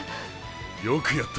よくやった。